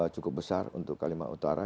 cukup besar untuk kalimantan utara